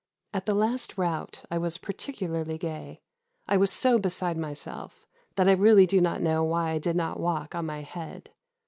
"At the last rout I was particularly gay, I was so beside myself, that I really do not know why I did not walk on my head.